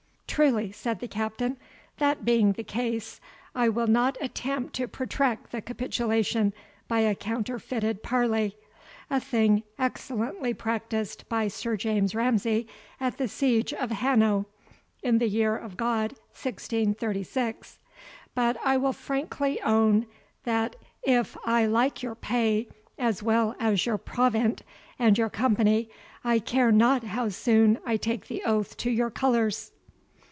"Truly," said the Captain, "that being the case, I will not attempt to protract the capitulation by a counterfeited parley, (a thing excellently practised by Sir James Ramsay at the siege of Hannau, in the year of God 1636,) but I will frankly own, that if I like your pay as well as your provant and your company, I care not how soon I take the oath to your colours."